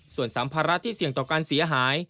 ส่วนสัมภาระที่เสี่ยงต่อการเสียหาย